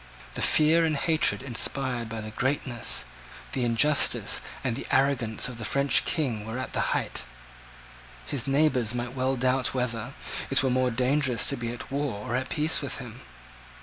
The fear and hatred inspired by the greatness, the injustice, and the arrogance of the French King were at the height. His neighbours might well doubt whether it were more dangerous to be at war or at peace with him.